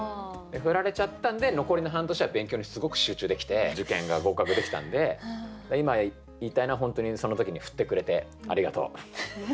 振られちゃったんで残りの半年は勉強にすごく集中できて受験が合格できたんで今言いたいのは本当にその時に振ってくれてありがとう。